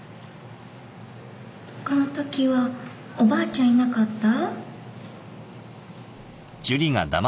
このときはおばあちゃんいなかった？